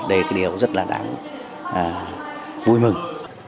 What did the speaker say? đây là điều rất là đáng vui mừng